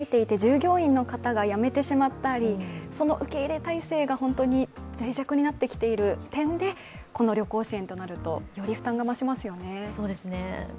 それこそコロナ禍が長引いていて従業員の方が辞めてしまったりその受け入れ態勢が脆弱になってきている点でこの旅行支援となると、より負担が増しますよね。